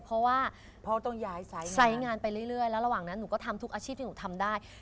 เพราะว่าพ่อต้องย้ายงานใช้งานไปเรื่อยแล้วระหว่างนั้นหนูก็ทำทุกอาชีพที่หนูทำได้